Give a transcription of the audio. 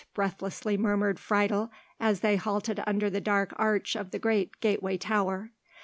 breathlessly murmured Friedel, as they halted under the dark arch of the great gateway tower.